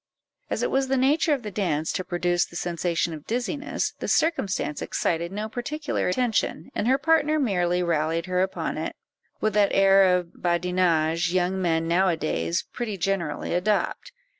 As it was the nature of the dance to produce the sensation of dizziness, this circumstance excited no particular attention, and her partner merely rallied her upon it, with that air of badinage young men now a days pretty generally adopt.